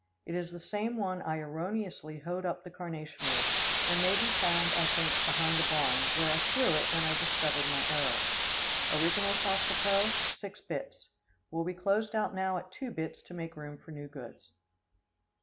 It is the same one I erroneously hoed up the carnation with, and may be found, I think, behind the barn, where I threw it when I discovered my error. Original cost of hoe, six bits. Will be closed out now at two bits to make room for new goods.